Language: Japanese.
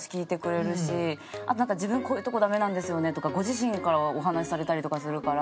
あとなんか「自分こういうとこダメなんですよね」とかご自身からお話しされたりとかするから。